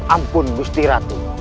ampun busti ratu